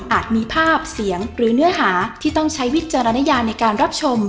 มีภาพเสียงหรือเนื้อหาที่ต้องใช้วิจารณญาในการรับชม